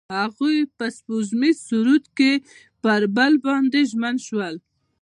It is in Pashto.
هغوی په سپوږمیز سرود کې پر بل باندې ژمن شول.